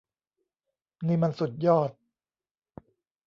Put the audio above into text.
นี่มันสุดยอด !